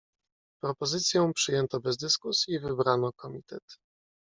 "Propozycję przyjęto bez dyskusji i wybrano komitet."